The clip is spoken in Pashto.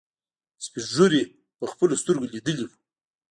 سپينږيرو په خپلو سترګو ليدلي وو.